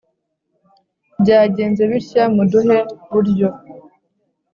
byagenze bitya mubuhe buryo!